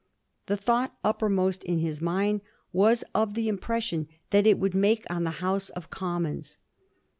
The thought uppermost in his mind was of the impression it would make on the House of Commons.